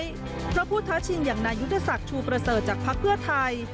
เพราะผู้ท้าชิงอย่างนายุทธศักดิ์ชูประเสริฐจากภักดิ์เพื่อไทย